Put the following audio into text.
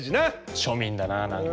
庶民だな何か。